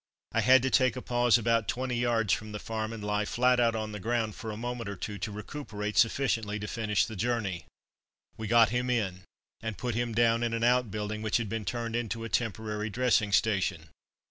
I had to take a pause about twenty yards from the farm and lie flat out on the ground for a moment or two to recuperate sufficiently to finish the journey. We got him in and put him down in an outbuilding which had been turned into a temporary dressing station.